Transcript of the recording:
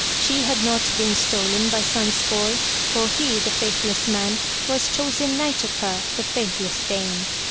She had not been stolen by Sansfoy, for he, the faithless man, was chosen knight of her, the faithless dame.